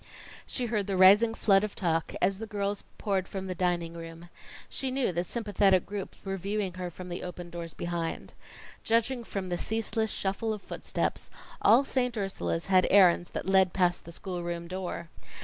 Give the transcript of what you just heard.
She heard the rising flood of talk as the girls poured from the dining room. She knew that sympathetic groups were viewing her from the open doors behind. Judging from the ceaseless shuffle of footsteps, all Saint Ursula's had errands that led past the schoolroom door.